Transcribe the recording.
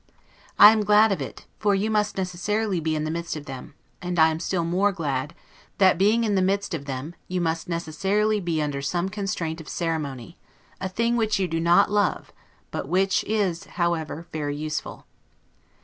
I am glad of it, for you must necessarily be in the midst of them; and I am still more glad, that, being in the midst of them, you must necessarily be under some constraint of ceremony; a thing which you do not love, but which is, however, very useful.